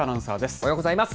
おはようございます。